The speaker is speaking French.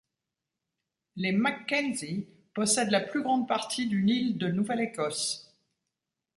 Les MacKenzie possèdent la plus grande partie d'une île de Nouvelle-Écosse.